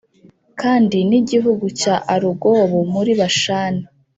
kandi n’igihugu cya Arugobu muri Bashani